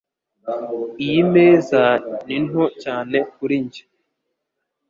Iyi meza ni nto cyane kuri njye.